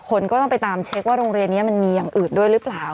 คนก็ต้องไปตามเช็คว่าโรงเรียนนี้มันมีอย่างอื่นด้วยหรือเปล่า